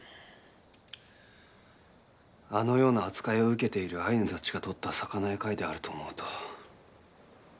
あのような扱いを受けているアイヌたちがとった魚や貝であると思うと。